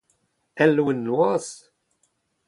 Ul loen noazh ?